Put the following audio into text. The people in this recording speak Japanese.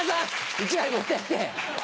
１枚持ってって。